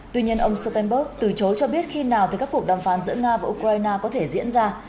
tuy nhiên ông stoltenberg từ chối cho biết khi nào từ các cuộc đàm phán giữa nga và ukraine có thể diễn ra